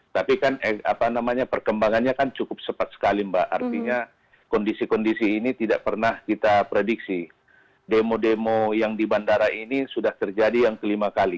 tapi kan apa namanya perkembangannya kan cukup cepat sekali mbak artinya kondisi kondisi ini tidak pernah kita prediksi demo demo yang di bandara ini sudah terjadi yang kelima kali